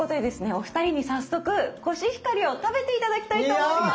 お二人に早速コシヒカリを食べて頂きたいと思います。